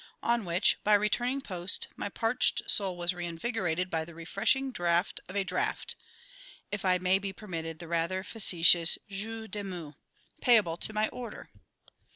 On which, by returning post, my parched soul was reinvigorated by the refreshing draught of a draft (if I may be permitted the rather facetious jeu de mots) payable to my order.